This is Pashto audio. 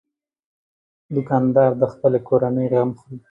دوکاندار د خپلې کورنۍ غم خوري.